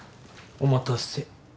お待たせ。